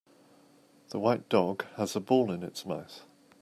The white dog has a ball in its mouth.